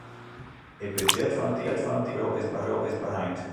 It budzjet fan it iepenloftspul is beheind.